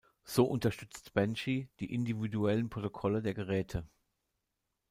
So unterstützt Banshee die individuellen Protokolle der Geräte.